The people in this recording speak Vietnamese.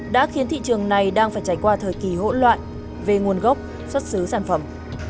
đã khiến thị trường này đang phải trải qua thời kỳ hỗn loạn về nguồn gốc xuất xứ sản phẩm